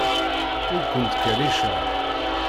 Ur ken-ttkerriceɣ.